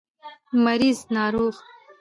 مريض √ ناروغ